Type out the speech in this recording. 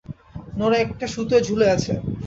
Nora একটা সুতোয় ঝুলে আছে।